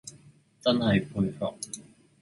真系佩服